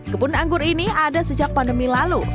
kebun anggur ini ada sejak pandemi lalu